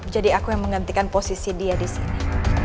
jadi aku yang menggantikan posisi dia disini